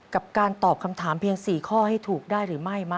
กับการตอบคำถามเพียง๔ข้อให้ถูกได้หรือไม่